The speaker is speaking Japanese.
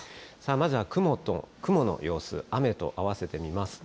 まずは雲の様子、雨と合わせて見ますと。